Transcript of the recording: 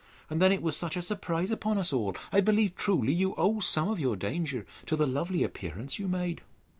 And then it was such a surprise upon us all!—I believe truly, you owe some of your danger to the lovely appearance you made.